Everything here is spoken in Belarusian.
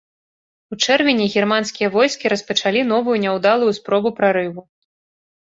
У чэрвені германскія войскі распачалі новую няўдалую спробу прарыву.